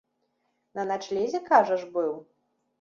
На начлезе, кажаш, быў?